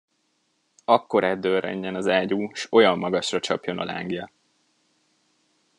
Akkorát dörrenjen az ágyú, s olyan magasra csapjon a lángja.